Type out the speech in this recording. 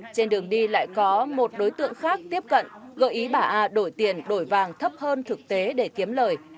trên đường đi lại có một đối tượng khác tiếp cận gợi ý bà a đổi tiền đổi vàng thấp hơn thực tế để kiếm lời